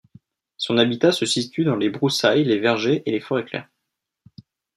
Son habitat se situe dans les broussailles, les vergers et les forêts claires.